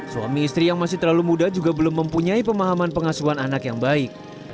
suami istri yang masih terlalu muda juga belum mempunyai pemahaman pengasuhan anak yang baik